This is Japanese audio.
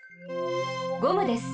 ゴムです。